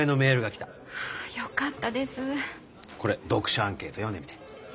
これ読者アンケート読んでみて。